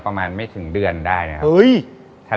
ประมาณไม่ถึงเดือนได้นะครับ